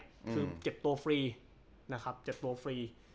คือเจ็บตัวฟรีนะครับเจ็บตัวฟรี